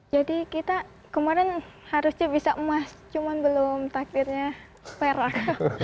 jadi kita kemarin harusnya bisa emas cuman belum takdirnya perak